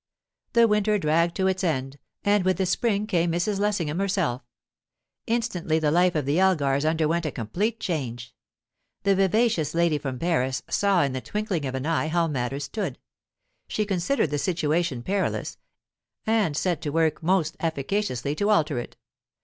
The winter dragged to its end, and with the spring came Mrs. Lessingham herself. Instantly the life of the Elgars underwent a complete change. The vivacious lady from Paris saw in the twinkling of an eye how matters stood; she considered the situation perilous, and set to work most efficaciously to alter it.